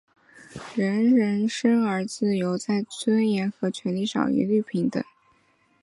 人人生而自由,在尊严和权利上一律平等。